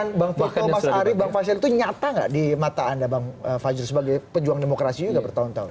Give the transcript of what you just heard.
tapi kan khawatiran bang faisal itu nyata nggak di mata anda bang fajul sebagai pejuang demokrasi juga bertahun tahun